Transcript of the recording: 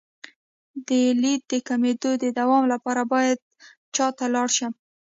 د لید د کمیدو د دوام لپاره باید چا ته لاړ شم؟